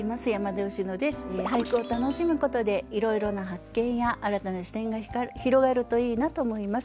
俳句を楽しむことでいろいろな発見や新たな視点が広がるといいなと思います。